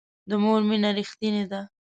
د مور مینه ریښتینې ده